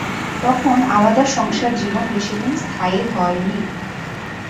তখন আলাদা সংসার জীবন বেশিদিন স্থায়ী হয়নি।